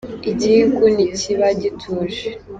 Igihugu ntikiba gituje